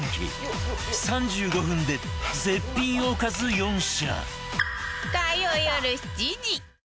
３５分で絶品おかず４品